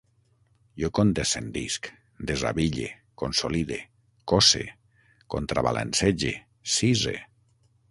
Jo condescendisc, desabille, consolide, cosse, contrabalancege, cise